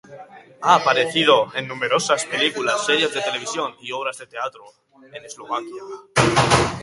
Ha aparecido en numerosas películas, series de televisión y obras de teatro en Eslovaquia.